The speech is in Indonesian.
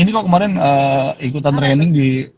ini kok kemarin ikutan training di